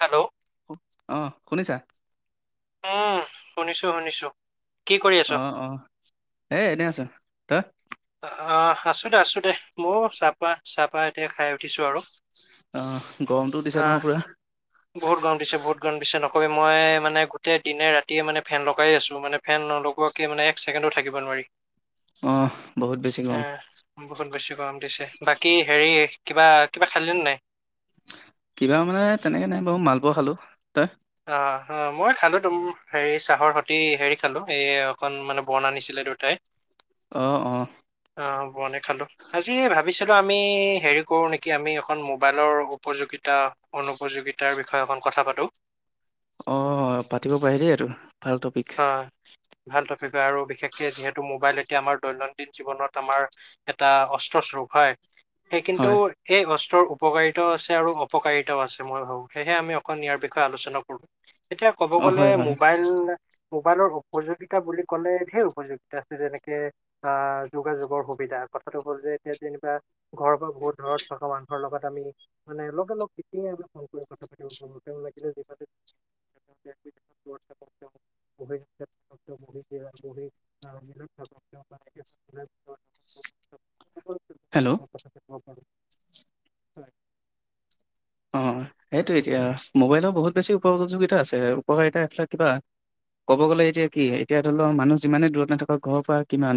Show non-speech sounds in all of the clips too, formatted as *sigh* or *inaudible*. Hello. অহ, শুনিছা? উম, শুনিছোঁ, শুনিছোঁ। অ', অ', এ এনেই আছোঁ। তই অহ আছো দে, আছো দে, ময়ো চাহপা চাহপা এতিয়া খাই উঠিছোঁ আৰু, অ গৰমটো দিছে নহয় আহ পুৰা বহুত গৰম দিছে, বহুত গৰম দিছে, নক কৈ মই মানে গোটেই দিনে-ৰাতিয়ে মানে ফেন লগায়ে আছোঁ, মানে ফেন নলগোৱাকে মানে এক ছেকেণ্ডো থাকিব নোৱাৰি। অহ বহুত বেছি গৰম। আহ বহুত বেছি গৰম দিছে, বাকী হেৰি কিবা, কিবা খালিলে নে নাই? কিবা মানে তেনেকে নাই বাৰু মালপোৱা খালো, তই? অ অ, মই খালো তুম হেৰি চাহৰ সতি হেৰি খালো, এই অকন মানে বৰ্ণ আনিছিলে দেউতাই। অহ, অ'। অ বৰ্ণে খালোঁ, আজি ভাবিছিলোঁ আমি হেৰি কৰোঁ নেকি, আমি এখন মোবাইলৰ উপযোগিতা-অনুপযোগিতাৰ বিষয়ে অকন কথা পাতোঁ। অ পাতিব পাৰি দেই এইটো। ভাল টপিক অ', ভাল টপিক হয় আৰু বিশেষকে যিহেতু মোবাইলে এতিয়া আমাৰ দৈনন্দিন জীৱনত আমাৰ এটা অস্ত্ৰ স্বৰূপ হয়। সেই কিন্তু হয় এই অচ অস্ত্ৰৰ উপকাৰিতাও আছে আৰু অপকাৰিতাও আছে মই ভাবো, সেয়েহে আমি অকন ইয়াৰ বিষয়ে আলোচনা কৰোঁ। এতিয়া ক'ব অ গ'লে হয় হয় মোবাইল মোবাইলৰ উপযোগিতা বুলি ক'লে ঢেৰ উপযোগিতা আছে, যেনেকে আহ যোগাযোগৰ সুবিধা কথাটো হ'ল যে এতিয়া যেনিবা ঘৰৰ পৰা বহুত দূৰত থকা মানুহৰ লগত আমি মানে লগে লগ এতিয়াই আমি কল কৰি কথা পাতিব পাৰোঁ, তেওঁ লাগিলে যিমানেই দূৰত থাকক তেওঁ *unintelligible* হেল্ল' কথা পাতিব হয়। অ', সেইটোয়ে এতিয়া আ। মোবাইলৰ বহুত বেছি উপযোগিতা আছে, উপকাৰিতা এফালাক কিবা, ক'ব গ'লে এতিয়া কি, এতিয়া ধৰি লোৱা মানুহ যিমানেই দূৰত নাথাকক ঘৰৰ পৰা কিমান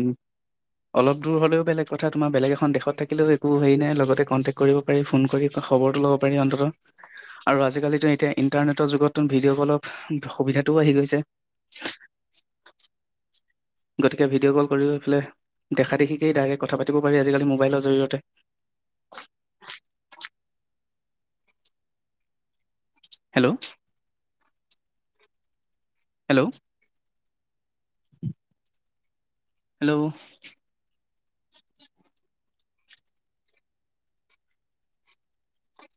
অলপ দূৰ হ'লেও বেলেগ কথা তোমাৰ বেলেগ এখন দেশত থাকিলেও একো হেৰি নাই, লগতে কণ্টেক্ট কৰিব পাৰি ফোন কৰি খবৰটো লও পাৰি অন্তত আৰু আজিকালিটো এতিয়া ইণ্টাৰনেটৰ যুগতটো ভিডিঅ' কলৰ সুবিধাটোও আহি গৈছে। গতিকে ভিডিঅ' কল কৰি ফেলে দেখা দেখিকেই ডাইৰেক্ট কথা পাতিব পাৰি আজিকালি মোবাইলৰ জৰিয়তে। Hello'- hello hello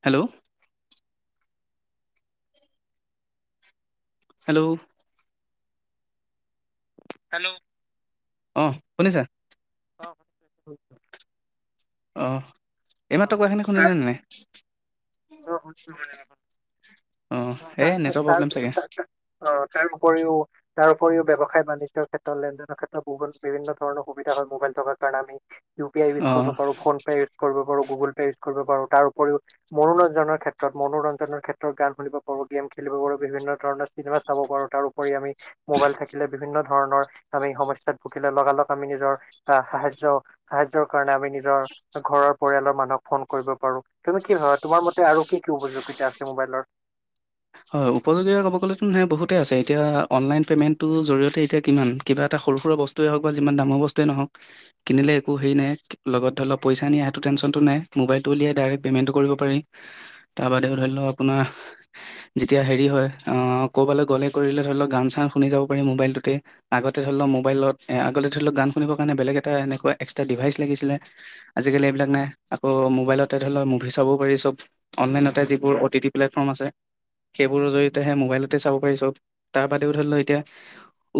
hello hello hello অহ, শুনিছা? অ'। অহ। এইমাত্ৰ কোৱাখিনি শুনিলেনে নাই? অ' অ এই তাৰ নেটৰ তাৰ প্ৰব্লেম অ' চাগে তাৰ উপৰিও তাৰ উপৰিও ব্যৱসায় বাণিজ্যৰ ক্ষেত্ৰত লেনদেনৰ ক্ষেত্ৰতো বিভিন্ন ধৰণৰ সুবিধা হয় মোবাইল থকাৰ কাৰণে। আমি ইউ পি আই ইউজ অ কৰিব পাৰো ফোন পে' ইউজ কৰিব পাৰো গুগ'ল পে' ইউজ কৰিব পাৰো। তাৰ উপৰিও মনোৰঞ্জনৰ ক্ষেত্ৰত মনোৰঞ্জনৰ ক্ষেত্ৰত গান শুনিব পাৰোঁ গেম খেলিব পাৰোঁ বিভিন্ন ধণৰ চিনেমা চাব পাৰোঁ তাৰো উপৰি আমি। মোবাইল থাকিলে। বিভিন্ন ধৰণৰ আমি সমস্াত ভুকিল লে লগালগ আমি নিজৰ আহ সাহায্য সাহায্যৰ কাৰণে আমি নিজৰ ঘৰৰ পৰিয়ালৰ মানুহক ফোন কৰিব পাৰো। তুমি কি ভাবা? তোমাৰ মতে আৰু কি কি উপযোগিতা আছে মোবাইলৰ? হয় উপযোগী ক'ব গ'লেতো নহয় বহুতেই আছে, এতিয়া অ'নলাইন পে'মেণ্টটোৰ জৰিয়তে এতিয়া কিমান কিবা এটা সৰু সুৰা বস্তুৱেই হওঁক বা যিমান দামৰ বস্তুৱেই নহওঁক কিনিলে একো হেৰি নাই লগত ধৰি লওঁক পইচা নিয়া সেইটো টেনচনটো নাই মোবাইলটো উলিয়াই ডাইৰেক্ট পে'মেণ্টটো কৰিব পাৰি। তাৰ বাদেও ধৰি লওঁক আপোনাৰ যেতিয়া হেৰি হয় ক'ৰবালৈ গ'লে কৰিলে ধৰি লওক গান চান শুনি যাব পাৰি মোবাইলটোতে আগতে ধৰি লওক মোবাইলত আগতে ধৰি লওক গান শুনৰ কাৰণে বেলেগ এটা এনেকুৱা এক্সট্ৰা ডিভাইচ লাগিছিলে আজিকালি এইবিলাক নাই আকৌ মোবাইলতে ধৰি লওক মুভি চাবও পাৰি চব অনলাইনতে যিবোৰ অ' টি টি প্লেটফৰ্ম আছে। সেইবোৰৰ জৰিয়তেহে মোবাইলতে চাব পাৰি চব তাৰ বাদেও ধৰি ল এতিয়া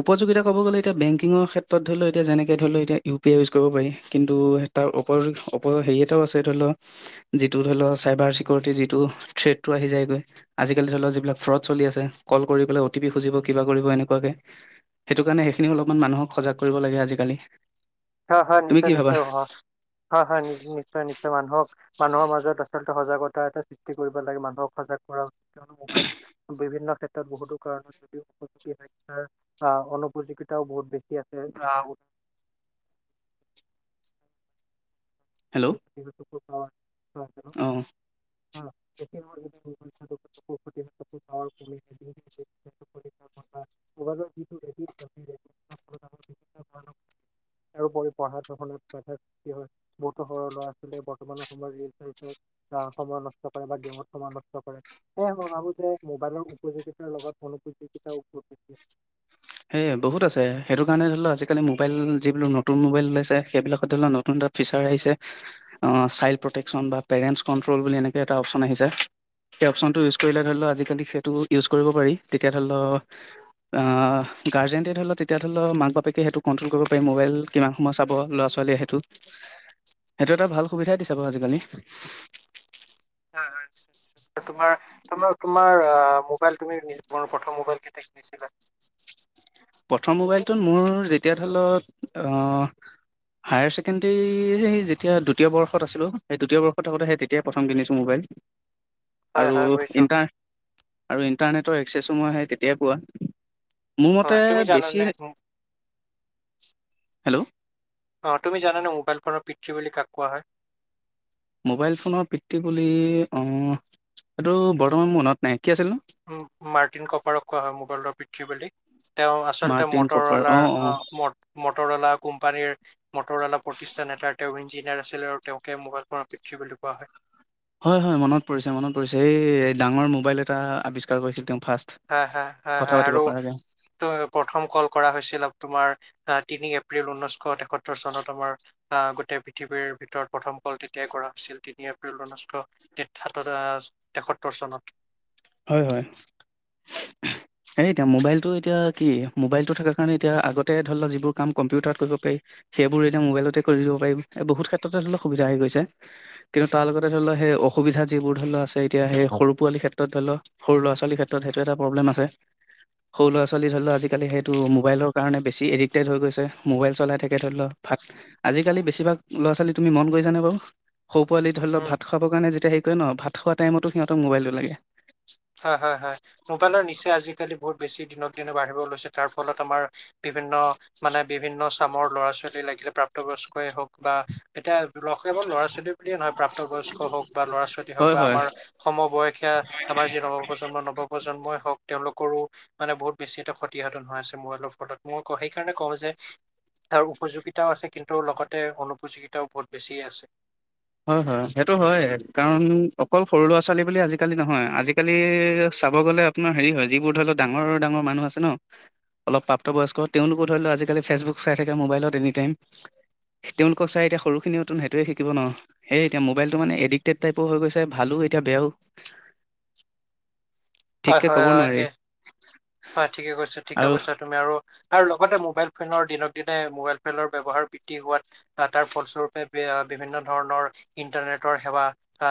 উপযোগিতা ক'ব গলে এতিয়া বেংকিঙৰ ক্ষেত্ৰত ধৰি ল এতিয়া যেনেকে ধৰি ল এতিয়া ইউ পি আই ইউজ কৰিব পাৰি কিন্তু তাৰ হেৰি এটাও আছে ধৰি লও যিটো ধৰি লও চাইবাৰ চিকিউৰিটি যিটো থ্ৰডটো আহি যায়গৈ। আজিকালি ধৰি লওঁক, যিবিলাক ফ্ৰড চলি আছে কল কৰি পেলাই অ' টি পি খুজিব কিবা কৰিব এনেকুৱাকে সেইটো কাৰণে সেইখিনি অলপমান মানুহক সজাগ কৰিব লাগে আজিকালি। হা হা তুমি নিশ্চয় কি ভাবা নিশ্চয় হা নিশ্চয় নিশ্চয় মানুহক মানুহৰ মাজত আচলতে সজাগতা এটা সৃষ্টি কৰিব লাগে মানুহক সজাগ কৰা উচিত কিয়নো মোবাইল বিভিন্ন ক্ষেত্ৰত বহুতো কাৰণত যদিও উপযোগী শাৰ আহ অনুপযোগীিতাও বহুত বেছি আছে আহ। *inaudible* ক হয় *unintelligible* আহ বে পঢ়া শুনাত বাধাৰ সৃষ্টি হয় বহুতো সৰু ল'ৰা ছোৱালীয়ে বৰ্তমানৰ সময়ত ৰিল চ চাই আহ সময় নষ্ট কৰে বা গেমত সময় নষ্ট কৰে সেয়ে মই ভাবো যে মোবাইলৰ উপযোগিতাৰ লগত মোপযোগিতাৰ উপযোগী। সেয় বহুত আছে সেইটো কাৰণে ধৰি লওক আজিকালি মোবাইল যিবিলোৰ নতুন মোবাইল ওলাইছে সেইবিলাকত ধৰি লওক নতুন এটা ফিচাৰ আহিছে চাইল্ড প্ৰটেকশচন বা পেৰেণ্টছ কণ্ট্ৰল বুলি এনেকৈ এটা অপশচন আহিছে সেই অপশচনটো ইউজ কৰিলে ধৰি লও আজিকালি সেইটো ইউজ কৰিব পাৰি তেতিয়া ধৰি লওক গাৰ্জেনটে ধৰি লক তেতিয়া ধৰি লও মাক বাপেকে সেইটো কণ্ট্ৰল কৰিব পাৰি ম'বাইল কিমান সময় চাব ল'ৰা ছোৱালীয়ে সেইটো সেইটো এটা ভাল সুবিধাই দি চাব আজিকালি। হয় নিশ্চয় নিশ্চয় তোমাৰ তোমাৰ তোমাৰ অ' মোবাইল তুমি প্ৰথম মোবাইল- টেক দিছিলা? প্ৰথম মোবাইলটোত মোৰ যেতিয়া ধৰি লওঁক হায়াৰ ছেকেণ্ডেৰী যেতিয়া দ্বিতীয় বৰ্ষত আছিলোঁ, সেই দ্বিতীয় বৰ্ষত থাকতে সেই তেতিয়াই প্ৰথম কিনিছোঁ মোবাইল। হয় আৰু হয় বুজিছো ইণ্টাৰ আৰু ইণ্টাৰনেট ই আহে কেতিয়াই পোৱা। মোৰ মতে হয় তুমি জানা বেছি নাই হেল্ল'। অ', তুমি জানানে মোবাইল ফোনৰ পিতৃ বুলি কাক কোৱা হয়? মোবাইল ফোনৰ পিতৃ বুলি অ', সেইটো বৰ্তমান মনত নাই। কি আছিল নো উম, মাৰ্টিন কপাৰক কোৱা হয় মোবাইলৰ পিতৃ বুলি। তেওঁ আচলতে মাৰ্টিন কপাৰ অ মটৰৱালাৰ অ ম মটৰৱালা। কোম্পানীৰ মটৰৱালা প্ৰতিষ্ঠান এটাৰ তেওঁ ইঞ্জিনিয়াৰ আছিল আৰু তেওঁকে মোবাইল ফোনৰ পিতৃ বুলি কোৱা হয়। হয় হয় মনত পৰিছে মনত পৰিছে এই ডাঙৰ মোবাইল এটা আৱিষ্কাৰ কৰিছিল তেওঁ। ফাৰ্ষ্ট হ হ কথা পাতিব আৰু পৰাকে প্ৰথম কল কৰা হৈছিল তোমাৰ। আহ তিনি এপ্ৰিল ঊনৈছশ তেসত্তৰ চনত আমাৰ আহ গোটেই পৃথিৱীৰ ভিতৰত প্ৰথম কল তেতিয়াই কৰা হৈছিল তিনি এপ্ৰিল ঊনৈছশ তেসাত্তৰ আহ তেসত্তৰ চনত। হয় হয়। এই এতিয়া মোবাইলটো এতিয়া কি মোবাইলটো থকাৰ কাৰণে এতিয়া আগতে ধৰি লওক যিবোৰ কাম কম্পিউটাৰত কৰিব পাৰি সেইবোৰ এতিয়া মোবাইলতে কৰি দিব পাৰি বহুত ক্ষেত্ৰতে ধৰি লও সুবিধা হৈ গৈছে, কিন্তু তাৰ লগতে ধৰি লও সেই অসুবিধা যিবোৰ ধৰি লও আছে এতিয়া সেই সৰু পোৱালি ক্ষেত্ৰত এতিয়া ধৰি লও সৰু ল'ৰা ছোৱালীৰ ক্ষেত্ৰত সেইটো এটা প্ৰবলেম আছে। সৰু ল'ৰা ছোৱালী ধৰি লও আজিকালি সেইটো মোবাইলৰ কাৰণে বেছি এডিক্টেড হৈ গৈছে। মোবাইল চলাই থাকে ধৰি লও ভাত আজিকালি বেছিভাগ ল'ৰা ছোৱালী তুমি মন কৰিছেনে বাৰু? সৰু পোৱালি ধৰি লওক উম ভাত খাব কাৰণে যেতিয়া সেই ন ভাত খোৱা টাইমতো সিহতৰ মবাইলটো লাগে। হয় হয় হয় মোবাইলৰ নিচা আজিকালি বহুত বেছি দিনক দিনে বাঢ়িব লৈছে, তাৰ ফলত আমাৰ বিভিন্ন মানে বিভিন্ন চামৰ ল'ৰা ছোৱালী লাগিলে প্ৰাপ্তবয়স্কই হওক বা এতিয়া কেৱল ল'ৰা ছোৱালী বুলিয়ে নহয় প্ৰাপ্ত বয়স্ক হওক বা ল'ৰা ছোৱালী হওক হয় বা হয় আমাৰ সমবয়সীয়া আমাৰ যি প্ৰজন্ম নৱ প্ৰজন্মই হক তেওঁলোকৰো মানে বহুত বেছি এটা ক্ষতিসাধন হৈ আছে মই অলপ ফলত মই সেইকাৰণে কওঁ, যে তাৰ উপযোগিতাও আছে কিন্তু লগতে অনুপযোগীতাও বহুত বেছি য়ে আছে। হয় হয় সেইটো হয় কাৰণ অকল সৰু ল'ৰা ছোৱালী বুলি আজিকালি নহয়, আজিকালি চাব গ'লে আপোনাৰ হেৰি হয় যিবোৰ ধৰি লওক ডাঙৰ ডাঙৰ মানুহ আছে ন অলপ প্ৰাপ্তবয়স্ক তেওঁলোকো ধৰি লওক আজিকালি ফেচবুক চাই থাকে, মোবাইলত এনিটাইম তেওঁলোকক চাই এতিয়া সৰুখিনিয় ত সেইটোৱে শিকিব ন। সেইয়ে এতিয়া মোবাইলটো মানে এডিক্টেড টাইপ হৈ গৈছে ভালো এতিয়া বেয়াও। হয় সঠিকে হয় কব হয় নোৱাৰি। এ হয় ঠিকে কৈছা ঠিকে আৰু কৈছা তুমি আৰু আৰু লগতে মোবাইল ফোনৰ দিনক দিনে মোবাইল ফোনৰ ব্যবহাৰ বৃদ্ধি হোৱাত তাৰ ফলস্বৰূপে বিভিন্ন ধৰণৰ ইন্টাৰনেটৰ সেৱা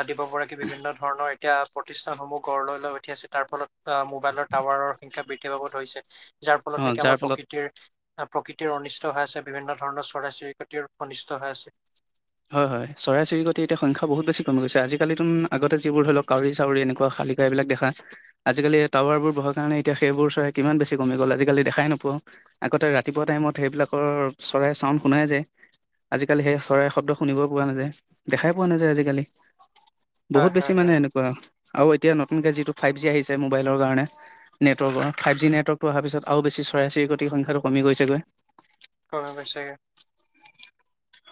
দিব পৰাকে বিভিন্ন ধৰণৰ এতিয়া প্ৰতিষ্ঠানসমূহ গঢ় লৈ লৈ উঠি আছে তাৰ ফলত মোবাইলৰ টাৱাৰৰ সংখ্যা বৃদ্ধি পাব ধৰিছে। যাৰ অ ফলত নেকি যাৰ আমাৰ ফলত প্ৰকৃতিৰ প্ৰকৃতিৰ অনিষ্ট হৈ আছে বিভিন্ন ধৰণৰ চৰাই চিৰিকতিৰ অনিষ্ট হৈ আছে। হয় হয় চৰাই চিৰিকতি এতিয়া সংখ্যা বহুত বেছি কমি গৈছে, আজিকালিতো আগতে যিবোৰ ধৰি লওক কাউৰী চাউৰী এনেকুৱা শালিকা এইাবিলাক দেখা আজিকালি টাৱাৰবোৰ বহাৰ কাৰণে এতিয়া সেইবোৰ চৰাই কিমান বেছি কমি গ'ল আজিকালি দেখাই নাপাওঁ আগতে ৰাতিপুৱা টাইমত সেইবিলাকৰ চৰাই চাউণ্ড শুনাই যায়। আজিকালি সেই চৰাই শব্দ শুনিব পোৱা নাযায় দেখাই পোৱা নাযায় আজিকালি। হয় বহুত বেছি হয় মানে হয় এনেকুৱা। আৰু এতিয়া নতুনকে যিটো ফাইভ জি আহিছে মোবাইলৰ কাৰণে নেটৱৰ্কৰ ফাইভ জি নেটৱৰ্কটো অহাৰ পিছত আৰু বেছি চচাই চিৰি কোটিৰ সংখ্যাটো কমি গৈছেগৈ। ক পছাগে *unintelligible*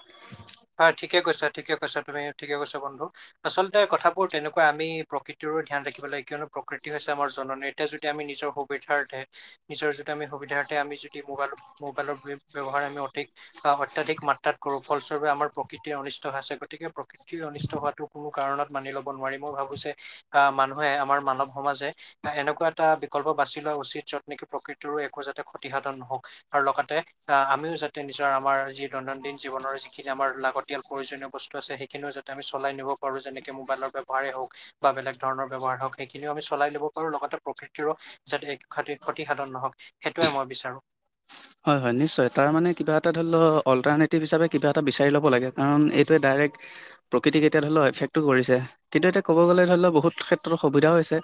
উ *inaudible* হয় ঠিকে কৈছা -ঠিকে কৈছা তুমি ঠিকে কৈছা বন্ধু আচলতে কথাবোৰ তেনেকুৱা আমি প্ৰকৃতিৰো ধ্যান ৰাখিব লাগে কিয়নো প্ৰকৃতি হৈছে আমাৰ জননী এতিয়া যদি আমি নিজৰ সুবিধাৰ্থে নিজৰ যদি আমি সুবিধাৰ্থে আমি যদি মবাইল মোবাইলৰ ব ব্যবহাৰ আমি অধিক অত্যাধিক মাত্ৰাত কৰো ফল আমাৰ প্ৰকৃতি অনিষ্ট আছে গতিকে প্ৰকৃতি অনিষ্ট হোৱাটো কোনো কাৰণত মানি লব নোৱাৰি মই ভাবো যে আহ মানুহে আমাৰ মানৱ সমাজে এনেকুৱা এটা বিকল্প বাছি লোৱা উচিত যত নেকি প্ৰকৃতিৰো একো যাতে ক্ষতিহত নহওক আৰু লগতে আহ আমিও যাতে নিজৰ আমাৰ যি দৈনন্দিন জীৱনৰ যি। যিযিনি আমাৰ লাগতিয়াল প্ৰয়োজনীয় বস্তু আছে সেইখিনিও যাতে আমি চলাই নিব পাৰো যেনেকে মোবাইলৰ ব্যৱহাৰে হওক বা বেলেগ ধৰণৰ ব্যৱহাৰ হওক সেইখিনিও আমি চলাই লব পাৰো লগতে প্ৰকৃতিৰো যাতে ক্ষতি ক্ষতিসাধন নহওক সেইটোৱে মই বিচাৰো। হয় - হয় নিশ্চয় তাৰমানানে কিবা এটা ধৰি লওক অল্টাৰনেটিভ হিচাপে কিবা এটা বিচাৰি ল'ব লাগে কাৰণ এইটোৱে ডাইৰেক্ট প্ৰকৃতিক এতিয়া ধৰি লও এফেক্টো কৰিছে কিন্তু এতিয়া ক'ব গ'লে ধৰি লও বহুত ক্ষেত্ৰতৰ সুবিধাও হৈছে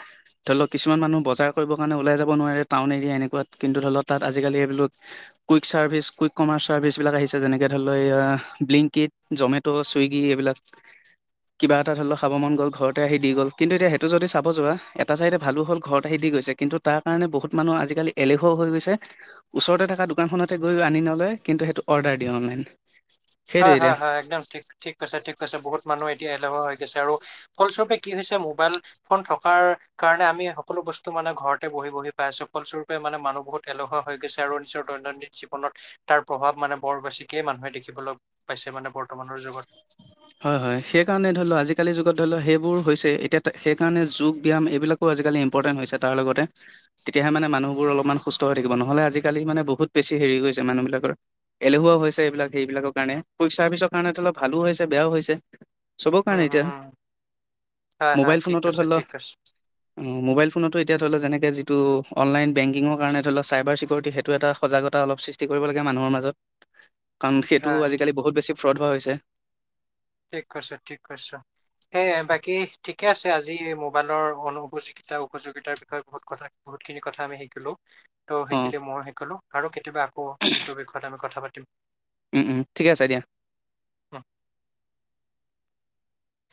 ধৰি লওক কিছুমান মানুহ বজাৰ কৰিব কাৰণে ওলাই যাব নোৱাৰে টাউন এৰিয়া এনেকুৱাত কিন্তু ধৰি লওক তাত আজিকালি এইবিলাক quick service quick commerce service বিলাক আহিছে যেনেকে ধৰি লও ব্লিংকিট জমেট' চুইগি এইবিলাক কিবা এটা ধৰি লও খাব মন গ'ল ঘৰতে আহি দি গ'ল। কিন্তু এতিয়া সেইটো যদি চাব যোৱা এটা চাইডে ভালো হ'ল ঘৰত আহি দি গৈছে কিন্তু তাৰ কাৰণে বহুত মানুহ আজিকালি এলেিহও হৈ গৈছে ওচৰতে থাক দোকানখন গৈ আনি নয় কিন্তু সেইটো অৰ্ডাৰ দিয়ে অনলাইন। সেইটোৱে হয়- এতিয়া হয়- হয় একদম ঠিক- ঠিক কৈছা- ঠিক কৈছা বহুত মানুহ এতিয়া। এলহুৱা হৈ গৈছে আৰু ফলস্বৰূপে কি হৈছে মোবাইল ফোন থকাৰ কাৰণে আমি সকলো বস্তু মানে ঘৰতে বহি - বহি পাই আছো ফলস্বৰূপে মানে মানুহ বহুত এলেহুৱা গৈছে আৰু নিজৰ দৈনন্দিন জীৱনত তাৰ প্ৰভাৱ মানে বৰ বেছিকেই মানুহে দেখিবলৈ পাইছে মানে বৰ্তমানৰ যুগত। হয় - হয় সেই কাৰণে ধৰি লও আজিকালি যুগত ধৰি লও সেইবোৰ হৈছে এতিয়া সেই কাৰণে যোগ ব্যায়াম এইবিলাকো আজিকালি ইম্পৰ্টেন্ট হৈছে তাৰ লগতে তেতিয়াহে মানে মানুহবোৰ অলপমান সুস্থ হৈ থাকিব নহ'লে আজিকালি মানে বহুত বেছি হেৰি হৈছে মানুহবিলাকৰ এলেহুৱা হৈছে এইবিলাক সেইবিলাকৰ কাৰণে পইচাৰ পিছৰ কাৰণেত অলপ। ভালো হৈছে বেয়াও হৈছে। চবৰ হুম, কাৰণে হুম, এতিয়া হুম। হয়, হয়, মোবাইল ঠিক ফোনতো কৈছা, ধৰি লও ঠিক কৈছা। অ মোবাইল ফোনতো এতিয়া ধৰি লও যেনেকে যিটো অনলাইন বেংকিঙৰ কাৰণে ধৰি লও চাইবাৰ চিকিউৰিটি সেইটো এটা সজাগতা অলপ সৃষ্টি কৰিব লাগে মানুহৰ মাজত। কাৰণ সেইটো হয়, আজিকালি ঠিক বহুত বেছি ফ্ৰড হোৱা হৈছে। ঠিক কৈছা, ঠিক কৈছা। সেয়াই বাকী ঠিকে আছে আজি মোবাইলৰ অনুযোগিতা উপযোগিতাৰ বিষয়ে বহুত কথা বহুতখিনি কথা আমি শিকিলো। তইও অ', শিকিলি, মইও শিকলো। আৰু কেতিয়াবা এইটো বিষয়ত আমি কথা পাতি *unintelligible* উম - উম, ঠিকে আছে দিয়া।